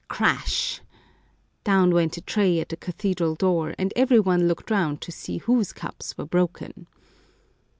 Crash !— down went a tray at the cathedral door, and every one looked round to see whose cups were broken.